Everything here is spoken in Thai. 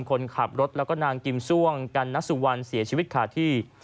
คนขับรถแล้วก็นางกิมซ่วงกันนสุวรรณเสียชีวิตขาดที่